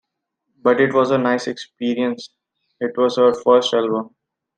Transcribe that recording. But it was a nice experience - it was our first album!